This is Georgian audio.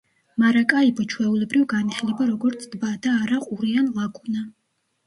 მარაკაიბო ჩვეულებრივ განიხილება როგორც ტბა, და არა ყურე ან ლაგუნა.